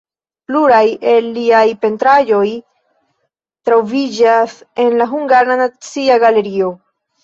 Pluraj el liaj pentraĵoj troviĝas en la Hungara Nacia Galerio.